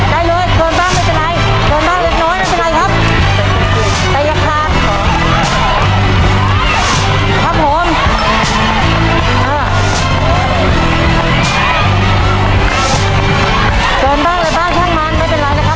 ได้เลยเกินบ้างไม่เป็นไรเกินบ้างเล็กน้อยไม่เป็นไรครับ